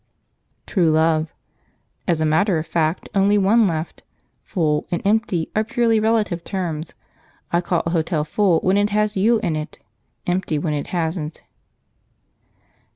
True Love. "As a matter of fact, only one left. 'Full' and 'empty' are purely relative terms. I call a hotel full when it has you in it, empty when it hasn't."